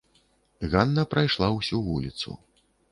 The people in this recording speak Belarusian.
Ганна прайшла ўсю вуліцу.